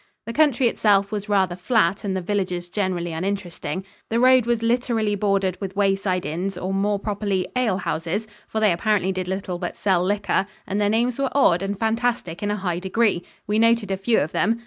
The country itself was rather flat and the villages generally uninteresting. The road was literally bordered with wayside inns, or, more properly, ale houses, for they apparently did little but sell liquor, and their names were odd and fantastic in a high degree. We noted a few of them.